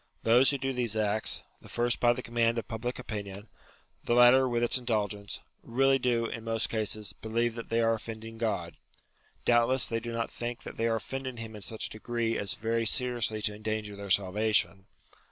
Those who do these acts, the first by the command of public opinion, the latter with its UTILITY OF RELIGION 93 indulgence, really do, in most cases, believe that they are offending God. Doubtless, they do not think that they are offending him in such a degree as very seriously to endanger their salvation.